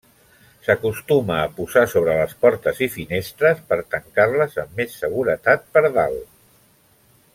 S'acostuma a posar sobre les portes i finestres per tancar-les amb més seguretat per dalt.